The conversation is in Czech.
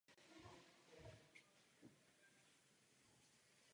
Její složení je podmíněno určitou praxí v církevní službě.